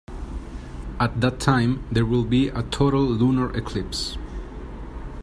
At that time there will be a total lunar eclipse.